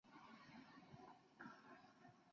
第一代主持为方嘉莹及前足球员张国强。